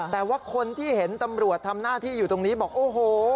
แต่ว่าคนที่เห็นตำรวจทำหน้าที่อยู่ตรงนี้บอกโอ้โห